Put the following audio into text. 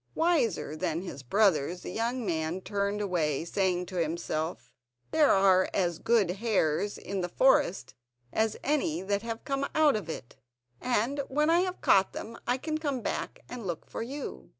Wiser than his brothers, the young man turned away, saying to himself: "There are as good hares in the forest as any that have come out of it, and when I have caught them, I can come back and look for you."